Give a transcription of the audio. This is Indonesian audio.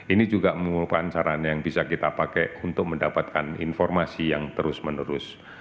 ini juga mengumpulkan sarana yang bisa kita pakai untuk mendapatkan informasi yang terus menerus